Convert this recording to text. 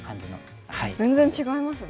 全然違いますね。